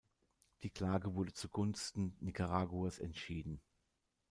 Die Klage wurde zugunsten Nicaraguas entschieden.